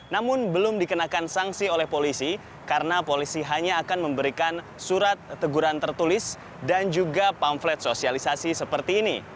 namun belum dikenakan sanksi oleh polisi karena polisi hanya akan memberikan surat teguran tertulis dan juga pamflet sosialisasi seperti ini